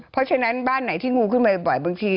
เพราะฉะนั้นบ้านไหนที่งูขึ้นบ่อยบางที